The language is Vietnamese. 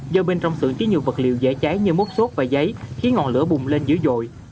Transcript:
do bên trong xưởng chứa nhiều vật liệu dễ cháy như mốt sốt và giấy khiến ngọn lửa bùng lên dữ dội